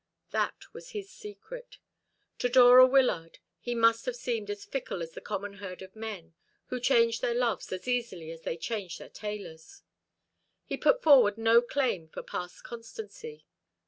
That was his secret. To Dora Wyllard he must have seemed as fickle as the common herd of men, who change their loves as easily as they change their tailors. He could put forward no claim for past constancy.